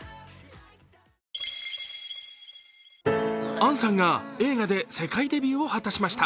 杏さんが映画で世界デビューを果たしました。